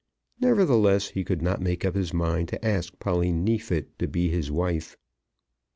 Nevertheless, he could not make up his mind to ask Polly Neefit to be his wife.